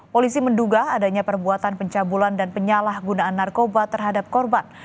polisi menduga adanya perbuatan pencabulan dan penyalahgunaan narkoba terhadap korban